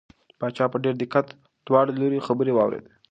پاچا په ډېر دقت د دواړو لوریو خبرې واورېدې.